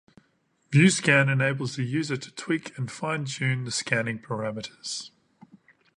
VueScan enables the user to tweak and fine-tune the scanning parameters.